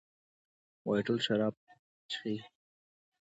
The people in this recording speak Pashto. وايي ټول شراب چښي.